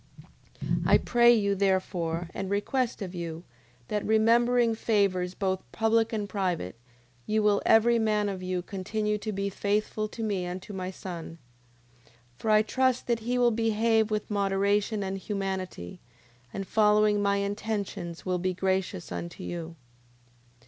9:26. I pray you, therefore, and request of you, that, remembering favours both public and private, you will every man of you continue to be faithful to me and to my son. 9:27. For I trust that he will behave with moderation and humanity, and following my intentions, will be gracious unto you.